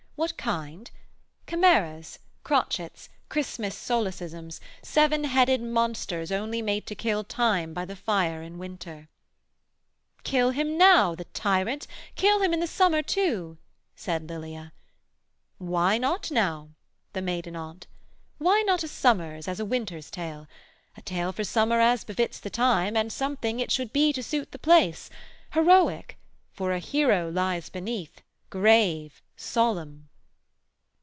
what kind? Chimeras, crotchets, Christmas solecisms, Seven headed monsters only made to kill Time by the fire in winter.' 'Kill him now, The tyrant! kill him in the summer too,' Said Lilia; 'Why not now?' the maiden Aunt. 'Why not a summer's as a winter's tale? A tale for summer as befits the time, And something it should be to suit the place, Heroic, for a hero lies beneath, Grave, solemn!'